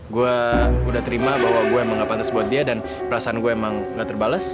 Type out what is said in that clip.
gue udah terima bahwa gue emang gak pantas buat dia dan perasaan gue emang gak terbalas